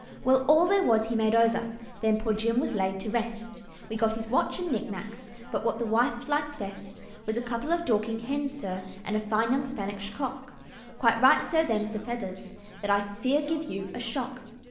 "Well! all there was he made over, Then poor Jim was laid to rest We got his watch and knicknacks, But what the wife liked best Was a couple of Dorking hens, sir, And a fine young Spanish cock; Quite right, sir, them's the feathers, That I fear give you a shock.